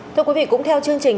thưa quý vị cũng theo chương trình